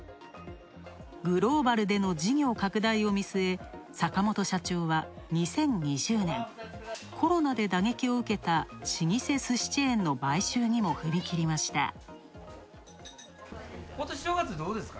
グローバルでの事業拡大を見据え、坂本社長は２０２０年、コロナで打撃を受けた老舗寿司チェーンの買収にも踏み切りました。